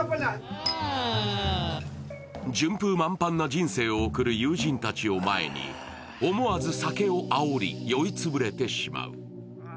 順風満帆な人生を送る友人たちを前に思わず酒をあおり酔いつぶれてしまう。